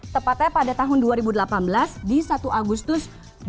tepatnya pada tahun dua ribu delapan belas di satu agustus dua ribu delapan belas